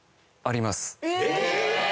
え！